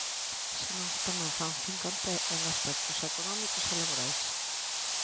Senón que tamén fan fincapé en aspectos económicos e laborais.